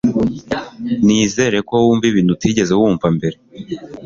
nizere ko wumva ibintu utigeze wumva mbere